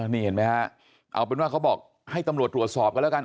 นี่เห็นไหมฮะเอาเป็นว่าเขาบอกให้ตำรวจตรวจสอบกันแล้วกัน